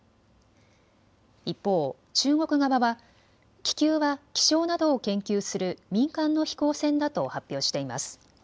一方、中国側は気球は気象などを研究する民間の飛行船だと発表しています。